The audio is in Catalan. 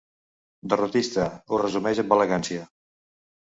"Derrotista" ho resumeix amb elegància.